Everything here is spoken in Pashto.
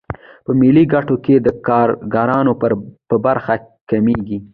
په ملي ګټو کې د کارګرانو برخه کمېږي